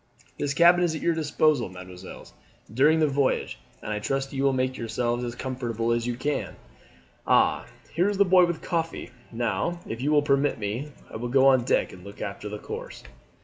This cabin is at your disposal, mesdemoiselles, during the voyage, and I trust you will make yourselves as comfortable as you can. Ah, here is the boy with coffee. Now, if you will permit me, I will go on deck and look after her course."